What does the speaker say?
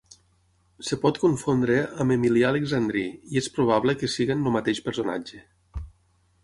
Es pot confondre amb Emilià Alexandrí, i és probable que siguin el mateix personatge.